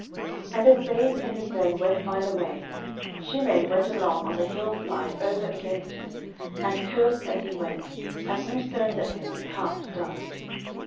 10:016:013 And as David and his men went by the way, Shimei went along on the hill's side over against him, and cursed as he went, and threw stones at him, and cast dust.